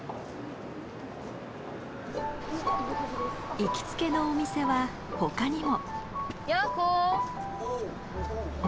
行きつけのお店は他にも。